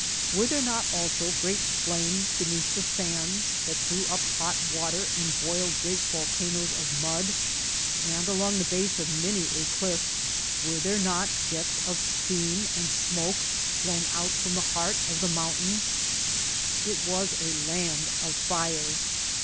Were there not also great flames beneath the sands that threw up hot water and boiled great vol canoes of mud ? And along the base of many a cliff were there not jets of steam and smoke blown out from the heart of the mountains ? It was a land of fire.